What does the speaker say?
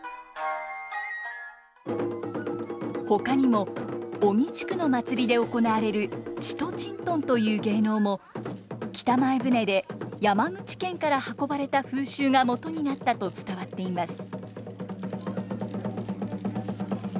ほかにも小木地区の祭りで行われる「ちとちんとん」という芸能も北前船で山口県から運ばれた風習がもとになったと伝わっています。